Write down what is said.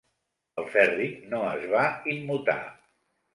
El Ferri no es va immutar.